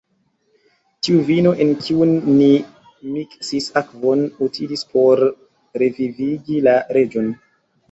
Tiu vino, en kiun ni miksis akvon, utilis por revivigi la reĝon.